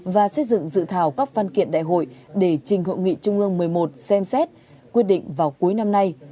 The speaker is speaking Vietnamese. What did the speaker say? và xây dựng dự thảo các văn kiện đại hội để trình hội nghị trung ương một mươi một xem xét quyết định vào cuối năm nay